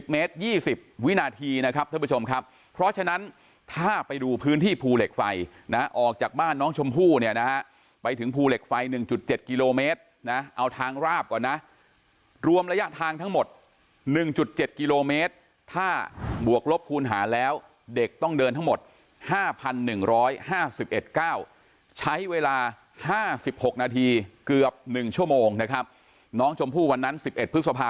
เมตร๒๐วินาทีนะครับท่านผู้ชมครับเพราะฉะนั้นถ้าไปดูพื้นที่ภูเหล็กไฟนะออกจากบ้านน้องชมพู่เนี่ยนะฮะไปถึงภูเหล็กไฟ๑๗กิโลเมตรนะเอาทางราบก่อนนะรวมระยะทางทั้งหมด๑๗กิโลเมตรถ้าบวกลบคูณหาแล้วเด็กต้องเดินทั้งหมด๕๑๕๑๙ใช้เวลา๕๖นาทีเกือบ๑ชั่วโมงนะครับน้องชมพู่วันนั้น๑๑พฤษภา